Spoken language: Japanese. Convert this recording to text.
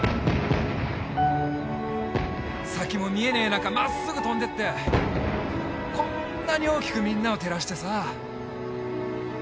先も見えねえ中真っすぐ飛んでってこんなに大きくみんなを照らしてさ。